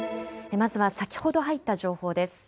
まずは先ほど入った情報です。